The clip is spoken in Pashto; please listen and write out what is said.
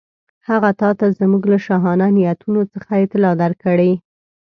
هغه تاته زموږ له شاهانه نیتونو څخه اطلاع درکړې.